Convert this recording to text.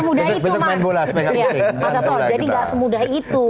mas sato jadi gak semudah itu